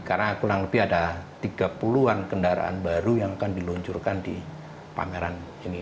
karena kurang lebih ada tiga puluh an kendaraan baru yang akan diluncurkan di pameran ini